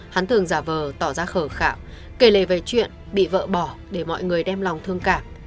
hắn thường giả vờ tỏ ra khờ kề lệ về chuyện bị vợ bỏ để mọi người đem lòng thương cảm